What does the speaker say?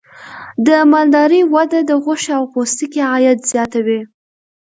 د مالدارۍ وده د غوښې او پوستکي عاید زیاتوي.